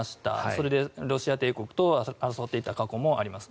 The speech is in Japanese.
それでロシア帝国と争っていた過去もあります。